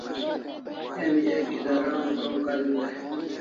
Emi ek idara una krom karin dai